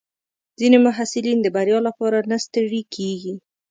ځینې محصلین د بریا لپاره نه ستړي کېږي.